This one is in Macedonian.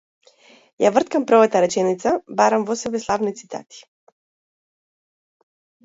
Ја врткам првата реченица, барам во себе славни цитати.